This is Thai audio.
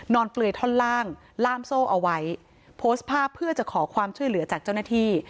เปลือยท่อนล่างล่ามโซ่เอาไว้โพสต์ภาพเพื่อจะขอความช่วยเหลือจากเจ้าหน้าที่